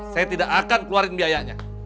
saya tidak akan keluarin biayanya